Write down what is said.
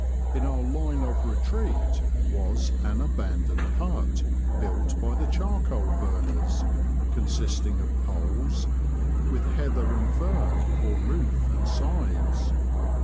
In our line of retreat was an abandoned hut built by the charcoal burners, consisting of poles, with heather and fern for roof and sides.